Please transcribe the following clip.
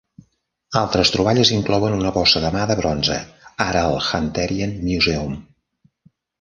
Altres troballes inclouen una bossa de mà de bronze, ara al Hunterian Museum.